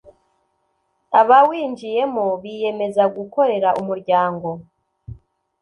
abawinjiyemo biyemeza gukorera umuryango